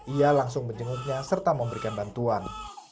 ia langsung menjenguknya serta memberikan bantuan